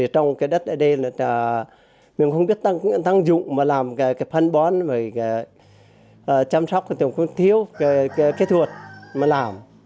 trong đất ở đây mình không biết tăng dụng mà làm phân bón chăm sóc thì cũng thiếu kỹ thuật mà làm